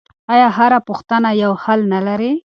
آیا هره پوښتنه یو حل نه لري؟